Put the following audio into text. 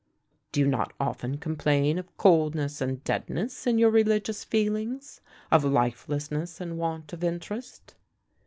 "Do you not often complain of coldness and deadness in your religious feelings? of lifelessness and want of interest?"